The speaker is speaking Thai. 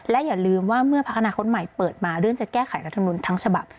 และอย่าลืมว่าเมื่อพักอนาคตใหม่เปิดมาเรื่องจะแก้ไขรัฐมนุนทั้งฉบับ